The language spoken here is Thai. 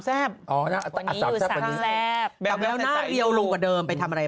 หากว่าฉันเหมือนมีพี่สมัย